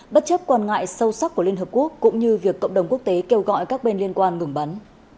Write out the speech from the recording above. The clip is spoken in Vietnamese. bất chấp quan ngại sâu sắc của liên hợp quốc cũng như việc cộng đồng quốc tế kêu gọi các bên liên quan ngừng bắn